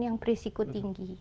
yang berisiko tinggi